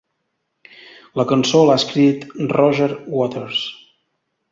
La cançó l'ha escrit Roger Waters.